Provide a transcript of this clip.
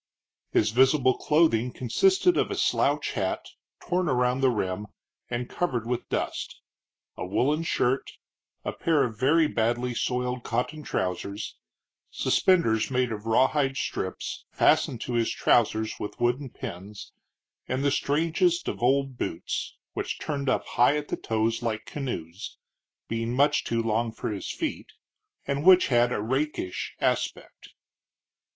His visible clothing consisted of a slouch hat, torn around the rim and covered with dust; a woollen shirt; a pair of very badly soiled cotton trousers; suspenders made of rawhide strips, fastened to his trousers with wooden pins, and the strangest of old boots, which turned high up at the toes like canoes (being much too long for his feet), and which had a rakish aspect.